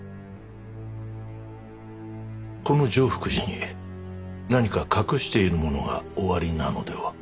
この常福寺に何か隠しているものがおありなのでは？